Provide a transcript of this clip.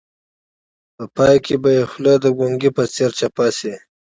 په پای کې به یې خوله د ګونګي په څېر چپه شي.